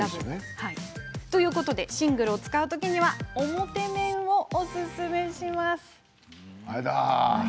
というわけでシングルを使う時には表面をおすすめします。